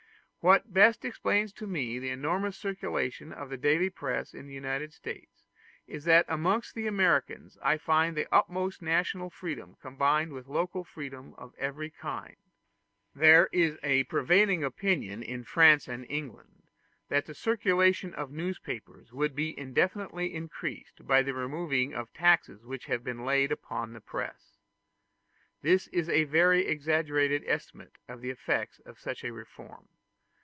What best explains to me the enormous circulation of the daily press in the United States, is that amongst the Americans I find the utmost national freedom combined with local freedom of every kind. There is a prevailing opinion in France and England that the circulation of newspapers would be indefinitely increased by removing the taxes which have been laid upon the press. This is a very exaggerated estimate of the effects of such a reform.